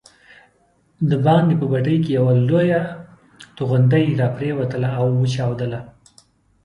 دباندې په بټۍ کې یوه لویه توغندۍ راپرېوتله او وچاودل.